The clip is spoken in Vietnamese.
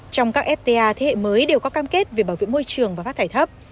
trong các fta thế hệ mới đều có cam kết về bảo vệ môi trường và phát thải thấp